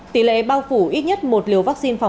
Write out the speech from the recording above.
tỷ lệ bao phủ ít nhất một liều vaccine